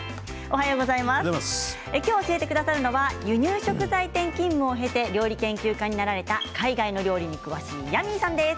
今日教えてくださるのは輸入食材店勤務を経て料理研究家になられた海外の料理に詳しいヤミーさんです。